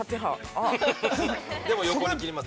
でも、横に切ります。